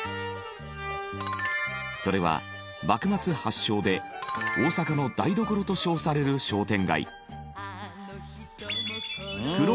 それは幕末発祥で大阪の台所と称される商店街。